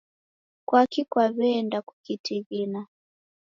Kwaki kwaweenda kukitighina